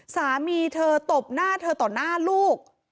สามีเธอตบหน้าเธอต่อหน้าลูก